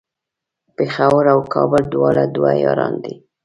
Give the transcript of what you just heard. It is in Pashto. پیښور او کابل دواړه دوه یاران دی